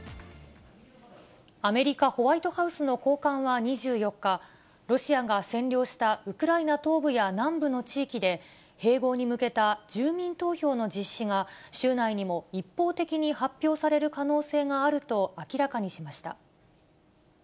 アメリカ、ホワイトハウスの高官は２４日、ロシアが占領したウクライナ東部や南部の地域で、併合に向けた住民投票の実施が週内にも一方的に発表される可能性があると明らかにしました。